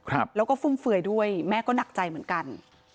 ครับแล้วก็ฟุ่มเฟือยด้วยแม่ก็หนักใจเหมือนกัน